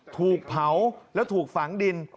ถูกเผาแล้วถูกฝังดิน